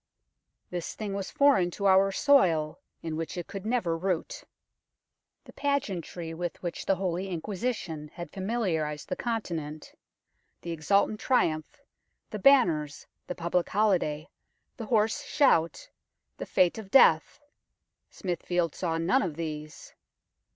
This thing was foreign to our soil, in which it could never root. The pageantry with which the Holy Inquisition had familiarized the Continent, the exultant triumph, the banners, the public holiday, the hoarse shout, the fete of Death Smithfield saw none of these.